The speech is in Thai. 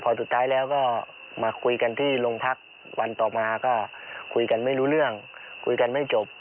พอสุดท้ายแล้วก็มาคุยกันที่โรงพักวันต่อมาก็คุยกันไม่รู้เรื่องคุยกันไม่จบ